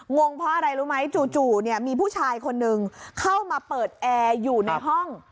งงเพราะอะไรรู้ไหมจู่เนี่ยมีผู้ชายคนนึงเข้ามาเปิดแอร์อยู่ในห้อง